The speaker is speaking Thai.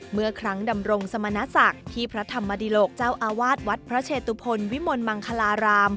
เมื่อครั้งดำรงสมณศักดิ์ที่พระธรรมดิโลกเจ้าอาวาสวัดพระเชตุพลวิมลมังคลาราม